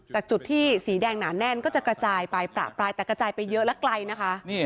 แต่จุดที่สีแดงหนาแน่นก็จะกระจายไปประปรายแต่กระจายไปเยอะและไกลนะคะ